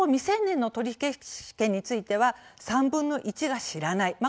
一方、未成年の取り消し権については３分の１が知らない。